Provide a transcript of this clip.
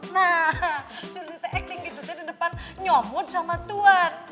nah surti teh acting gitu deh di depan nyomot sama tuhan